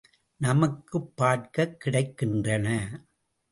நமக்குப் பார்க்கக் கிடைக்கின்றன.